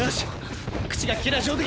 よし！